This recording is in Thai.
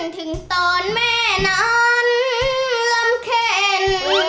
ถึงตอนแม่นั้นลำเข็น